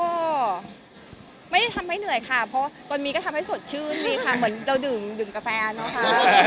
ก็ไม่ได้ทำให้เหนื่อยค่ะเพราะตอนนี้ก็ทำให้สดชื่นดีค่ะเหมือนเราดื่มกาแฟเนอะค่ะ